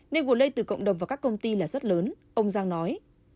nên nguồn lây từ cộng đồng vào các công ty là rất lớn ông giang nói